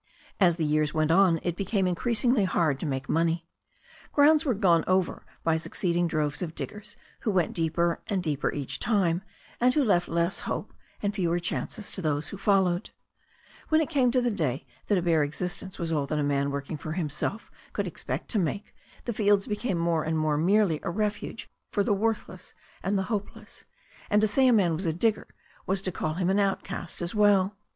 As the years went on it became increasingly hard to make money. Grounds were gone over by succeeding droves of THE STORY OF A NEW ZEALAND RIVER 315 diggers who went deeper and deeper each time, and who left less hope and fewer chances to those who followed. When it came to the day that a bare existence was all that a man working for himself could expect to make, the fields became more and more merely a refuge for the worthless and the hopeless, and to say a man was a digger was to call him an outcast as well.